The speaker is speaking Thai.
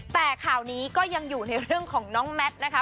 แต่ข่าวนี้ก็ยังอยู่ในเรื่องของน้องแมทนะคะ